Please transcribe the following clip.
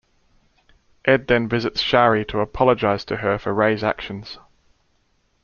Ed then visits Shari to apologize to her for Ray's actions.